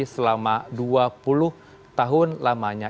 selama dua puluh tahun lamanya